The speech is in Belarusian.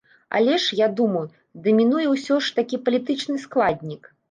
Але ж, я думаю, дамінуе ўсё ж такі палітычны складнік.